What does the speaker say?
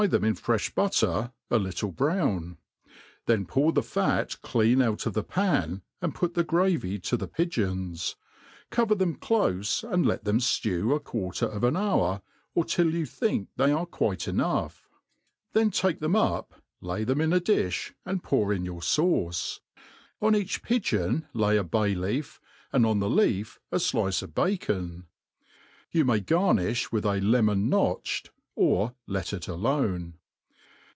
th<em in frefli butter,, at little b^own : then pour the fat clean out of the pan, and p^t the gravy to the pi* geons ; cover them clofe, apd let them ftew^a quarter of aa hour, or till ypu think they are quite enough^ then take them up,. lay tbem in a difli, and pour in your fance : on each pi geon lay a bay leaf, and on the leaf a flice of bacon. Yoi^ jnay gajpiih with a lemon notched, or let it alone.